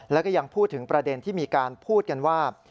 แล้วก็ยังพูดถึงประเด็นที่มีการพูดกันว่า